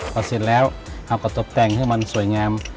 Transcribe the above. พอเสร็จแล้วเราก็ตบแต่งให้มันสวยงาม